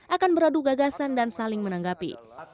akan beradu gagasan dan saling menanggapi